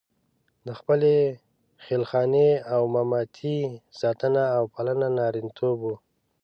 د خپلې خېل خانې او مامتې ساتنه او پالنه نارینتوب وو.